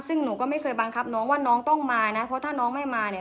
ซึ่งหนูก็ไม่เคยบังคับน้องว่าน้องต้องมานะเพราะถ้าน้องไม่มาเนี่ย